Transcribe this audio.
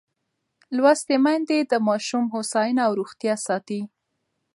لوستې میندې د ماشوم هوساینه او روغتیا ساتي.